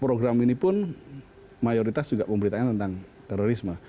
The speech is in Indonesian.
program ini pun mayoritas juga pemberitanya tentang terorisme